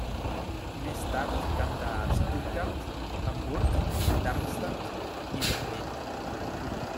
Més tard cantà a Stuttgart, Hamburg, Darmstadt i Berlín.